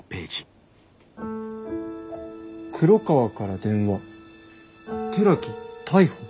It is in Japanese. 「黒川から電話寺木逮捕」。